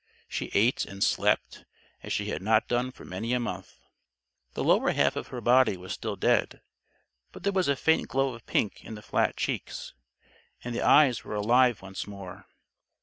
She ate and slept, as she had not done for many a month. The lower half of her body was still dead. But there was a faint glow of pink in the flat cheeks, and the eyes were alive once more.